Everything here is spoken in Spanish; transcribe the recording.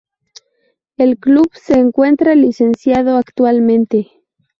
El club se encuentra licenciado actualmente.